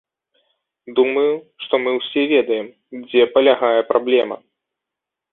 Думаю, што мы ўсе ведаем, дзе палягае праблема.